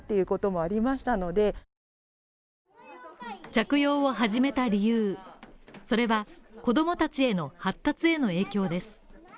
着用を始めた理由、それは子供たちの発達への影響です。